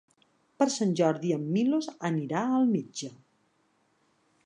Per Sant Jordi en Milos anirà al metge.